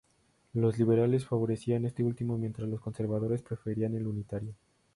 Los liberales favorecían este último mientras los conservadores preferían el unitario.